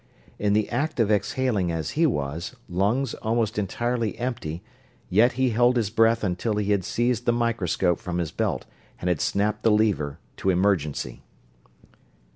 In the act of exhaling as he was, lungs almost entirely empty, yet he held his breath until he had seized the microphone from his belt and had snapped the lever to "emergency."